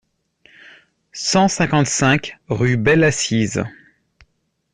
cent cinquante-cinq rue Belle Assise